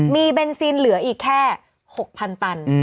มีเบนซินเหลืออีกแค่๖๐๐๐ตัน